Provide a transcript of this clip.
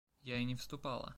– Я и не вступала.